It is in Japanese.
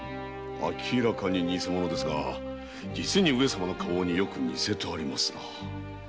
明らかに偽物ですが実に上様の花押に似せてありますな。